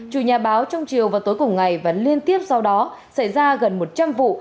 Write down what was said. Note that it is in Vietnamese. chủ nhà báo trong chiều và tối cùng ngày và liên tiếp sau đó xảy ra gần một trăm linh vụ